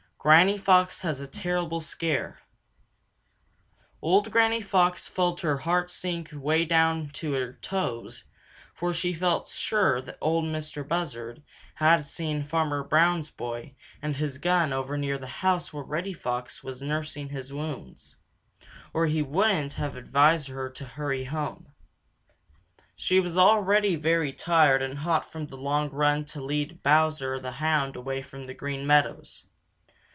Granny Fox Has a Terrible Scare Old Granny Fox felt her heart sink way down to her toes, for she felt sure Ol' Mistah Buzzard had seen Farmer Brown's boy and his gun over near the house where Reddy Fox was nursing his wounds, or he wouldn't have advised her to hurry home. She was already very tired and hot from the long run to lead Bowser the Hound away from the Green Meadows.